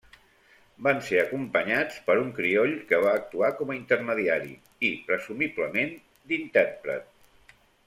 Van ser acompanyats per un crioll que va actuar com a intermediari i, presumiblement, d'intèrpret.